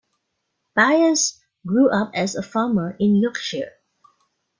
Byas grew up as a farmer in Yorkshire.